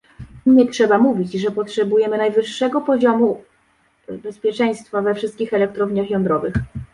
Nie trzeba mówić, że potrzebujemy najwyższego poziomu bezpieczeństwa we wszystkich elektrowniach jądrowych